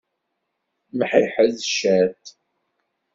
Mḥiḥed ciṭ.